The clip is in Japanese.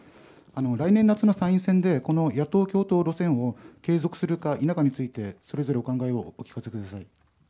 来年夏の参院選で、この野党共闘路線を継続するか否かについて、それぞれお考えをお聞かせください。